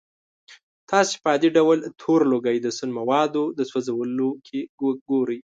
تاسې په عادي ډول تور لوګی د سون موادو د سوځولو کې ګورئ.